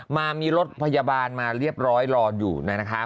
มามีรถพยาบาลมาเรียบร้อยรออยู่นะคะ